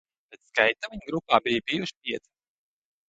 Pēc skaita viņi grupā bija bijuši pieci.